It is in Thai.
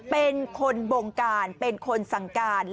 เป็นคนบงการเป็นคนสั่งการ